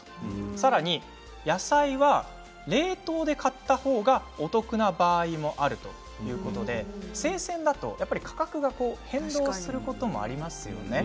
さらに野菜は冷凍で買ったほうがお得な場合もあるということで生鮮だとどうしても価格が変動することがありますよね。